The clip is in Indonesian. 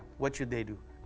apa yang harus mereka lakukan